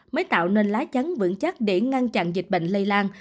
mới tạo nên lá chắn vững chắc để ngăn chặn dịch bệnh lây lan